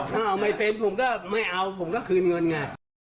ถ้าเอาไม่เป็นผมก็ไม่เอาผมก็คืนเงินไง